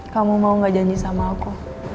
kamu mau gak janji sama aku